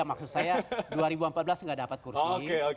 maksud saya dua ribu empat belas nggak dapat kursi